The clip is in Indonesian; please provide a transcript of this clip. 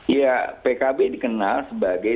ya pkb dikenal sebagai